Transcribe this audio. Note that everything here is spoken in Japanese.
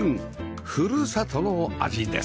ふるさとの味です